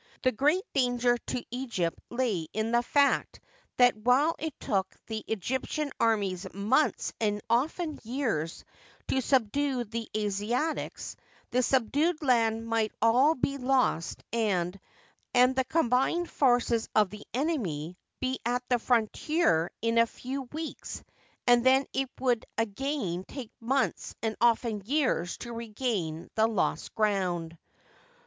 The great danger to Egypt lay in the fact that, while it took the Egyptian armies months and often years to subdue the Asiatics, the subdued land might sdl be lost and the combined forces of the enemy be at the frontier in a few weeks ; and then it would again take months and often years to regain the lost ground.